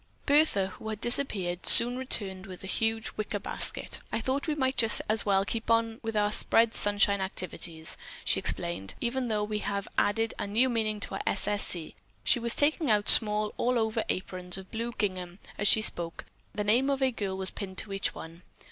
Bertha, who had disappeared, soon returned with a huge wicker basket. "I thought we might just as well keep on with our 'Spread Sunshine' activities," she explained, "even though we have added a new meaning to our 'S. S. C.'" She was taking out small all over aprons of blue gingham as she spoke. The name of a girl was pinned to each one.